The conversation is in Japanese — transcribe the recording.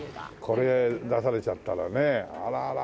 これ出されちゃったらねあらあらあらあら。